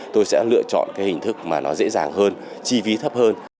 tôi sẽ lựa chọn cái hình thức mà nó dễ dàng hơn chi phí thấp hơn